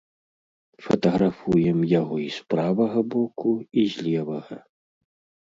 Фатаграфуем яго і з правага боку, і з левага.